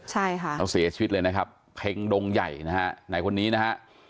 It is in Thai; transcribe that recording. ใช่ค่ะเขาเสียชีวิตเลยนะครับเพ็งดงใหญ่นะฮะไหนคนนี้นะฮะ